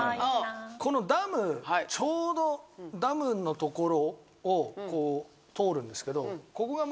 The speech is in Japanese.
このダムちょうどダムの所を通るんですけどここが。